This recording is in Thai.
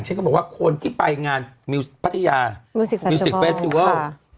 ฉันก็บอกว่าคนที่ไปงานมิวสิพัทยามิวสิกมิวสิกเฟสิวัลค่ะ